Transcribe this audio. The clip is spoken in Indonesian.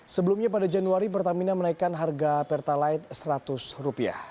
sebelumnya pada januari pertamina menaikkan harga pertalite seratus rupiah